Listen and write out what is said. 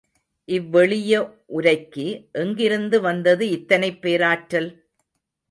இவ்வெளிய உரைக்கு எங்கிருந்து வந்தது இத்தனைப் பேராற்றல்?